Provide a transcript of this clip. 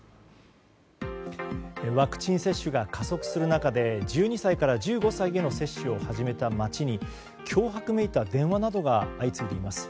ワクチン接種が加速する中で１２歳から１５歳への接種を始めた町に脅迫めいた電話などが相次いでいます。